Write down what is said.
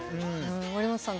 森本さん